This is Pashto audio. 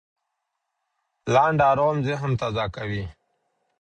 لنډ ارام ذهن تازه کوي.